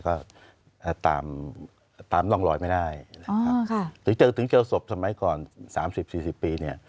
ก็ตามร่องรอยไม่ได้ถึงเจอศพสมัยก่อนสามสิบสี่สิบปีเนี่ย